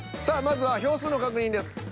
さあまずは票数の確認です。